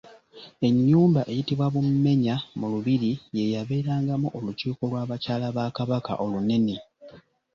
Ennyumba eyitibwa Bummenya mu Lubiri yeyabeerangamu olukiiko lw’abakyala ba Kabaka olunene.